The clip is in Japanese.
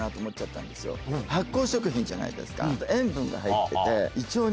発酵食品じゃないですか。